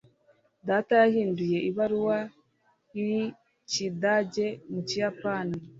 data yahinduye ibaruwa y'ikidage mu kiyapani